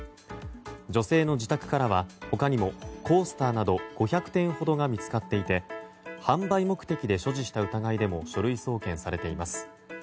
女性の自宅からは他にもコースターなど５００点ほどが見つかっていて販売目的で所持した疑いでも書類送検されています。